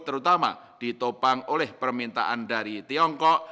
terutama ditopang oleh permintaan dari tiongkok